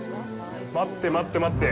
待って待って待って。